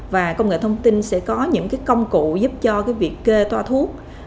và công nghệ thông tin sẽ có những công cụ giúp cho việc kê toa thuốc